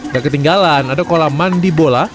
gak ketinggalan ada kolam mandi bola